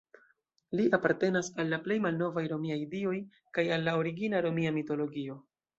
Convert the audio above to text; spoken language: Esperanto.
Li apartenas al la plej malnovaj romiaj dioj kaj al la origina romia mitologio.